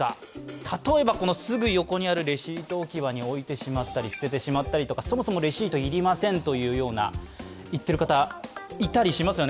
例えばすぐ横にあるレシート置き場に置いてしまったり捨ててしまったりとか、そもそもレシート要りませんと言っている方、いたりしますよね。